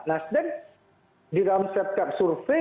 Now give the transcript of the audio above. nasdem di dalam setiap survei